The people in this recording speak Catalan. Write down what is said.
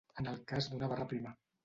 En el cas d'una barra prima.